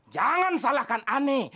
jangan salahkan aneh